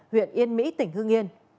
huyện yên mỹ tỉnh hương yên